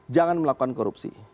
jangan melakukan korupsi